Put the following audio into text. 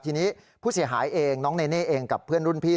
ทีนี้ผู้เสียหายเองน้องเนเน่เองกับเพื่อนรุ่นพี่